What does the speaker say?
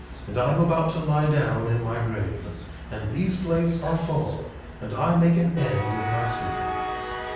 And I am about to lie down in my grave; and these plates are full. And I make an end of my speaking.